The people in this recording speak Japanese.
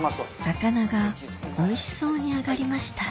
魚がおいしそうに揚がりました